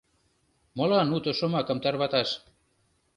Молан уто шомакым тарваташ».